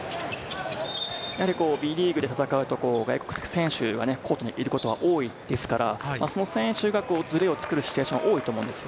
Ｂリーグで戦うと外国籍選手がコートにいることは多いですから、その選手がズレを作るシチュエーションが多いと思います。